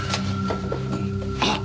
あっ。